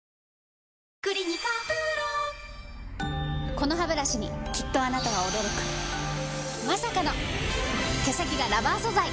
このハブラシにきっとあなたは驚くまさかの毛先がラバー素材！